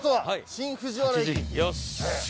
新藤原。